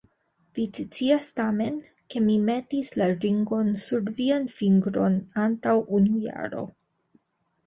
Vi scias tamen, ke mi metis la ringon sur vian fingron antaŭ unu jaro.